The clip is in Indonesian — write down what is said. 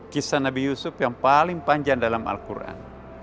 kisah nabi yusuf yang paling panjang dalam al quran